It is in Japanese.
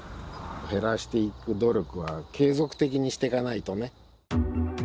減らしていく努力は、継続的にしていかないとね。